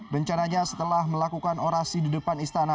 rencananya setelah melakukan orasi di depan istana